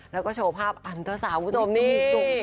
แล้วก็โชว์ภาพอันตรศาสตร์ผู้ชมนี่